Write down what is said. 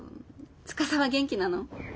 司は元気なの？